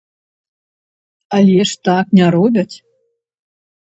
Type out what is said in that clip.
Але ж так не робяць.